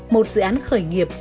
một dự án khởi nghiệp